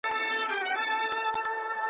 زه به ستا پرشونډو ګرځم ته به زما غزلي لولې .